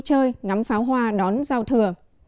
vui chơi ngắm pháo hoa đón giao thừa